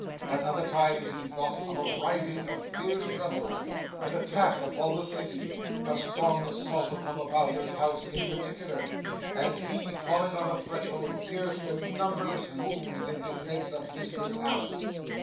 At other times he thought of a rising of fierce rebels, an attack upon the city, a strong assault upon the Bowyer's house in particular, and he falling on the threshold pierced with numberless wounds in defence of Mistress Alice.